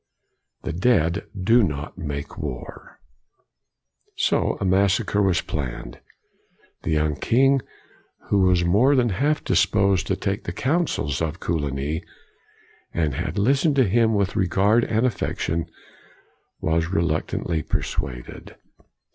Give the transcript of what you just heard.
" The dead do not make war." So a massacre was planned. The young king, who was more than half disposed to take the counsels of Coligny, and had listened to him with regard and affection, was reluctantly persuaded.